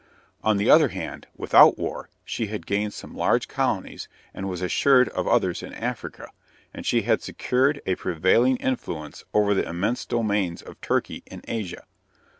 On the other hand, without war, she had gained some large colonies and was assured of others in Africa, and she had secured a prevailing influence over the immense domains of Turkey in Asia.